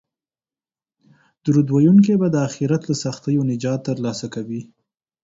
درود ویونکی به د اخرت له سختیو نجات ترلاسه کوي